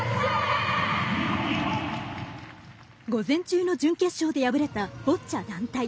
午前中の準決勝で敗れたボッチャ団体。